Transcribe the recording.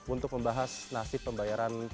untuk membahas nasib pembayaran